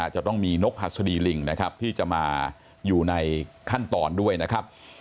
จะต้องมีนกหัสดีลิงนะครับที่จะมาอยู่ในขั้นตอนด้วยนะครับ